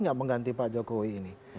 nggak mengganti pak jokowi ini